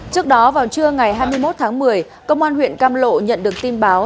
trước đó vào trưa ngày hai mươi một tháng một mươi công an huyện cam lộ nhận được tin báo